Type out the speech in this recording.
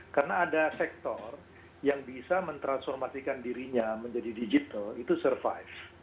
karena ada sektor yang bisa mentransformasikan dirinya menjadi digital itu survive